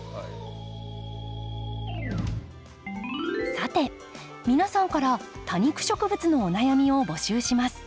さて皆さんから多肉植物のお悩みを募集します。